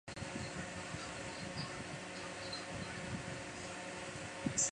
学界对于探马赤军的解释有许多说法。